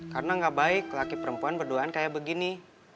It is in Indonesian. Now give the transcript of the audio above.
karena gak baik laki perempuan berduaan kayak begini